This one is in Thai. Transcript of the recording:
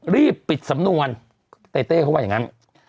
รีบปิดสำนวนเต้เต้เขาว่าอย่างนั้น